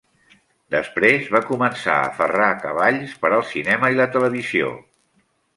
Després va començar a ferrar cavalls per al cinema i la televisió.